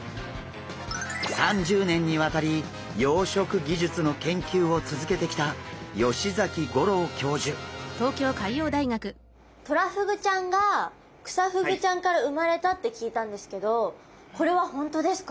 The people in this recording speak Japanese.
３０年にわたり養殖技術の研究を続けてきたトラフグちゃんがクサフグちゃんから産まれたって聞いたんですけどこれは本当ですか？